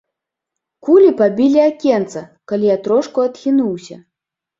Кулі пабілі акенца, калі я трошку адхінуўся.